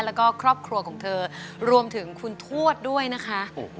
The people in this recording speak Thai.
แล้วก็ครอบครัวของเธอรวมถึงคุณทวดด้วยนะคะ